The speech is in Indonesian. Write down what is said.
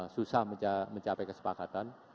susah mencapai kesepakatan